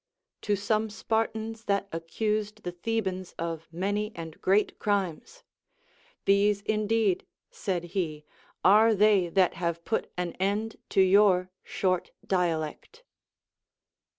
To some Spartans that accused the Thebans of many and great crimes, These indeed, said he, are they that have put an end to your short dialect.